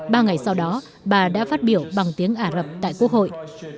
ba ngày sau đó bà đã phát biểu bằng tiếng ả rập tại quốc hội